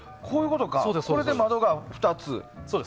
これで窓が２つ。